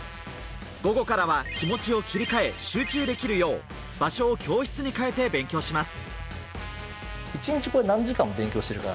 午後からは気持ちを切り替え集中できるよう場所を教室に変えて勉強します。